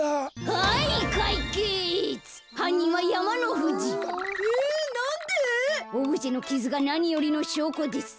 オブジェのキズがなによりのしょうこです。